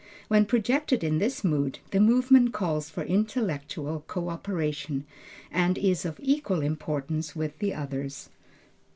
When projected in this mood, the movement calls for intellectual co operation, and is of equal importance with the others.